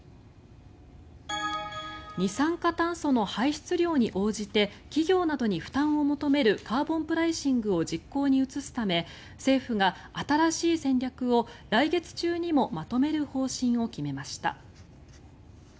二酸化炭素の排出量に応じて企業などに負担を求めるカーボンプライシングを実行に移すため政府が新しい戦略を来月中にもまとめる方針を決めました。